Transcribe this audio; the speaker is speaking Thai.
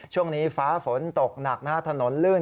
ช่วงนี้ฟ้าฝนตกหนักนะฮะถนนลื่น